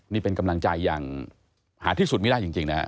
นี่เป็นกำลังใจอย่างหาที่สุดไม่ได้จริงนะฮะ